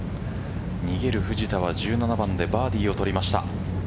逃げる藤田は１７番でバーディーを取りました。